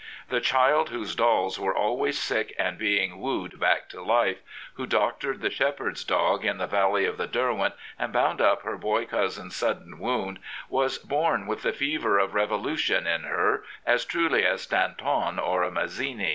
The child, whose dolls were always sick and being wooed back to life, who doctored the shepherd's dog in the valley of the Derwent, and bound up her boy cousin's sudden wound, was born with the fever of revolution in her as truly as a Danton or a Mazzini.